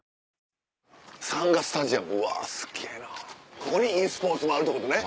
ここにｅスポーツもあるってことね。